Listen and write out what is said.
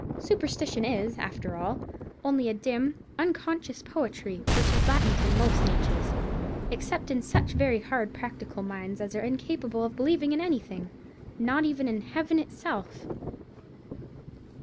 Superstition is, after all, only a dim, unconscious poetry, which is latent in most natures, except in such very hard practical minds as are incapable of believing in anything—not even in Heaven itself.